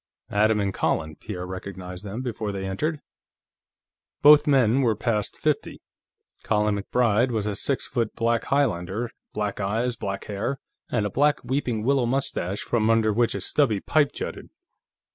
"Adam and Colin," Pierre recognized them before they entered. Both men were past fifty. Colin MacBride was a six foot black Highlander; black eyes, black hair, and a black weeping willow mustache, from under which a stubby pipe jutted.